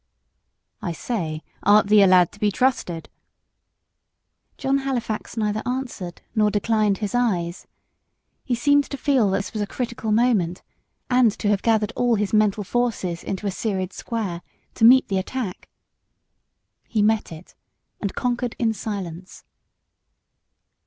"I say, art thee a lad to be trusted?" John Halifax neither answered nor declined his eyes. He seemed to feel that this was a critical moment, and to have gathered all his mental forces into a serried square, to meet the attack. He met it, and conquered in silence.